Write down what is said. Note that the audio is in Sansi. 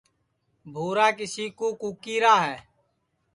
بُھورا کِس کُو کُکی را ہے